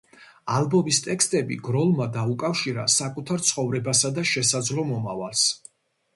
ალბომის ტექსტები გროლმა დაუკავშირა საკუთარ ცხოვრებასა და შესაძლო მომავალს.